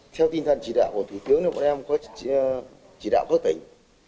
theo tinh thần chỉ đạo của thủ tướng thì bọn em có chỉ đạo các tỉnh